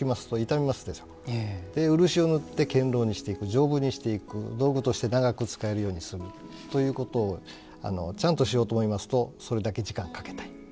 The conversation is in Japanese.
で漆を塗って堅ろうにしていく丈夫にしていく道具として長く使えるようにするということをちゃんとしようと思いますとそれだけ時間かけたいということです。